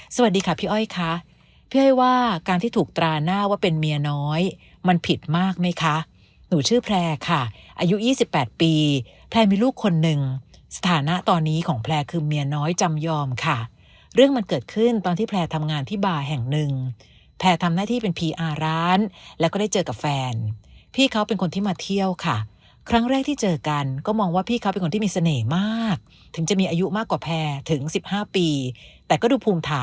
สวัสดีค่ะพี่อ้อยคะพี่อ้อยว่าการที่ถูกตราหน้าว่าเป็นเมียน้อยมันผิดมากไหมคะหนูชื่อแพร่ค่ะอายุ๒๘ปีแพร่มีลูกคนนึงสถานะตอนนี้ของแพร่คือเมียน้อยจำยอมค่ะเรื่องมันเกิดขึ้นตอนที่แพร่ทำงานที่บาร์แห่งหนึ่งแพร่ทำหน้าที่เป็นพีอาร้านแล้วก็ได้เจอกับแฟนพี่เขาเป็นคนที่มาเที่ยวค่ะครั้งแรกท